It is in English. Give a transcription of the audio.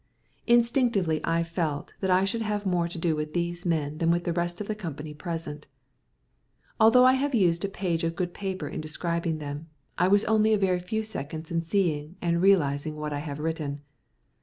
Instinctively I felt that I should have more to do with these men than with the rest of the company present. Although I have used a page of good paper in describing them, I was only a very few seconds in seeing and realizing what I have written.